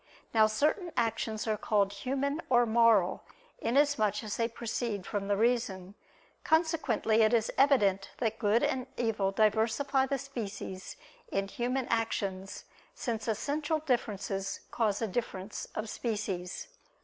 Now certain actions are called human or moral, inasmuch as they proceed from the reason. Consequently it is evident that good and evil diversify the species in human actions; since essential differences cause a difference of species.